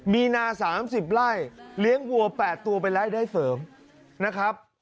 มีนา๓๐ไร่เลี้ยงวัว๘ตัวเป็นรายได้เสริมนะครับ